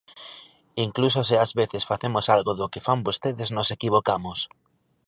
Incluso se ás veces facemos algo do que fan vostedes nos equivocamos.